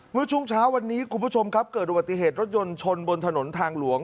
เมื่อช่วงเช้าวันนี้คุณผู้ชมครับเกิดอุบัติเหตุรถยนต์ชนบนถนนทางหลวง